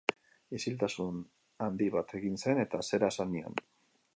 Isiltasun handi bat egin zen eta zera esan nion.